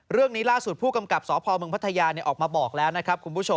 เรื่องนี้ล่าสุดผู้กำกับสพพัทยาออกมาบอกแล้วนะครับ